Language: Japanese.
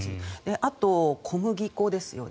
あと、小麦粉ですよね。